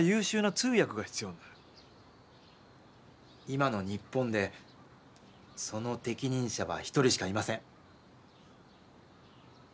今の日本でその適任者は一人しかいません。